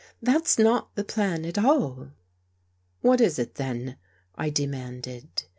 " That's not the plan at all." " What is it, then? " I demanded.